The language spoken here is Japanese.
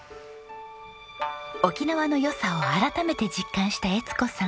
沖縄の良さを改めて実感した江津子さん。